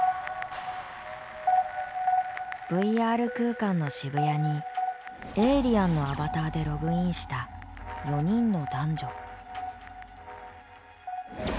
ＶＲ空間の渋谷にエイリアンのアバターでログインした４人の男女。